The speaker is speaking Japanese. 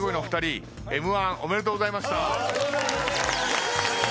ありがとうございます。